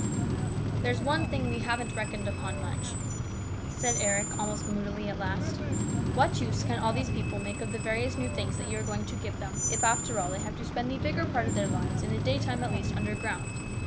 " There's one thing we haven't reckoned upon much," said Eric almost moodily at last. " What use can all these people make of the various new things that you are going to give them, if, after all, they have to spend the bigger part of their lives, in the STEWARDSHIP. 305 daytime, at least, underground